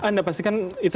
anda pastikan itu tidak